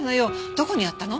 どこにあったの？